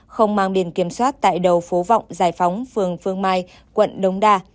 không mang biển kiểm soát tại đầu phố vọng giải phóng phường phương mai quận đống đa